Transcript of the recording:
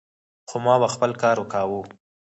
خو ما به خپل کار کاوه.